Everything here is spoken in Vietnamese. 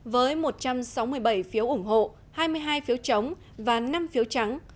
với một trăm sáu mươi bảy phiếu ủng hộ hai mươi hai phiếu chống và năm phiếu trắng